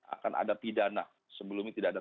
akan ada pidana sebelumnya tidak ada